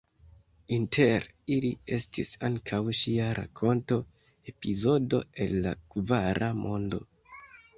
Inter ili estis ankaŭ ŝia rakonto „Epizodo el la Kvara Mondo“.